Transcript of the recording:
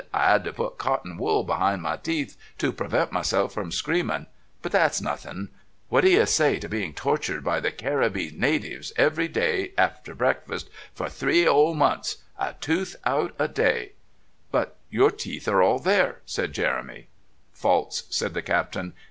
I 'ad to put cotton wool behind my teeth to prevent myself from screaming. But that's nothing. What do you say to being tortured by the Caribbees natives every day after breakfast for three 'ole months. A tooth out a day " "But your teeth are all there," said Jeremy. "False," said the Captain.